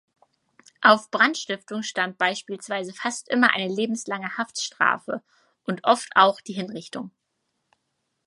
Auf Brandstiftung stand beispielsweise fast immer eine lebenslange Haftstrafe und oft auch die Hinrichtung.